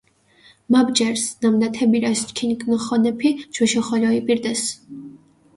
მა ბჯერს, ნამდა თე ბირას ჩქინ კჷნოხონეფი ჯვეშო ხოლო იბირდეს.